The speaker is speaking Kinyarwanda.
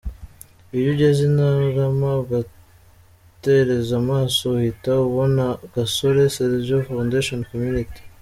Iyo ugeze i Ntarama ugatereza amaso uhita ubona Gasore Serge Foundation Community.